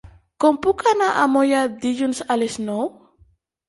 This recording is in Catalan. Com puc anar a Moià dilluns a les nou?